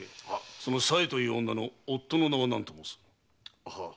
その佐枝という女の夫の名は何ともうす？はあ。